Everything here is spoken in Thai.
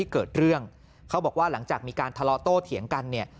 เขาบอกว่าหลังจากมีการทะเลาะโต้เถียงกันเนี่ย